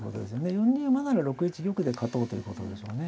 ４二馬なら６一玉で勝とうということでしょうね。